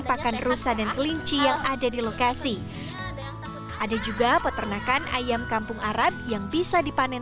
pakan rusa dan kelinci yang ada di lokasi ada juga peternakan ayam kampung arab yang bisa dipanen